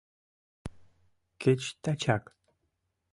Кеч тачак.